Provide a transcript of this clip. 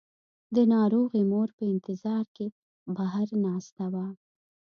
د ناروغې مور په انتظار کې بهر ناسته وه.